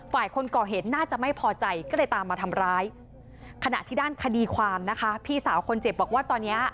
คนก่อเหตุน่าจะไม่พอใจก็เลยตามมาทำร้ายขณะที่ด้านคดีความนะคะพี่สาวคนเจ็บบอกว่าตอนเนี้ย